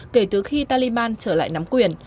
kể từ khi taliban trở lại nắm quyền